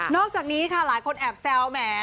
อกจากนี้ค่ะหลายคนแอบแซวแหม